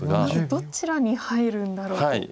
まずどちらに入るんだろうと。